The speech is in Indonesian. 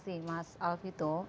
terima kasih mas alfito